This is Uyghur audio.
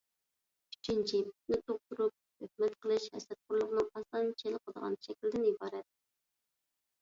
ئۈچىنچى، پىتنە تۇغدۇرۇپ، تۆھمەت قىلىش ھەسەتخورلۇقنىڭ ئاسان چېلىقىدىغان شەكلىدىن ئىبارەت.